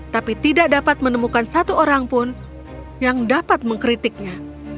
tapi tidak dapat menemukan satu orang pun yang dapat mengkritiknya